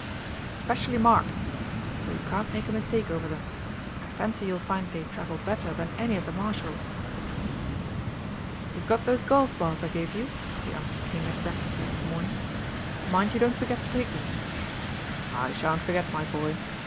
"They're specially marked," he said, "so you can't make a mistake over them, and I fancy you'll find they travel better than any of the Marshal's." "You've got those golf balls I gave you?" he asked the King at breakfast next morning. "Mind you don't forget to take 'em." "I shan't forget, my boy.